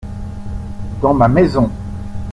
Dans ma maison.